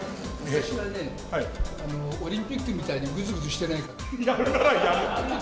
私はね、オリンピックみたいにぐずぐずしてないから。